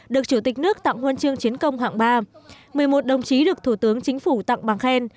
được chủ tịch nước tặng huân chương chiến công hạng ba một mươi một đồng chí được thủ tướng chính phủ tặng bằng khen